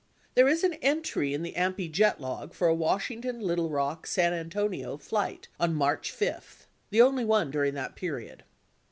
65 There is an entry in the A M PT jet log for a Washington Little Rock San Antonio flight on March 5, the only one during that period.